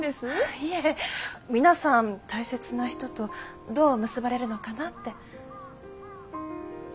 いえ皆さん大切な人とどう結ばれるのかなって。